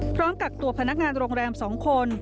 พร้อมกับตัวพนักงานโรงแรมสองคน